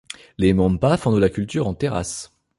Les Monpa font de la culture en terrasse.